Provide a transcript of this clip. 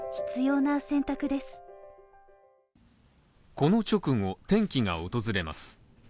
この直後、転機が訪れます。